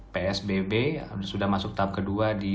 psbb sudah masuk tahap kedua di